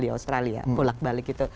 di australia pulak balik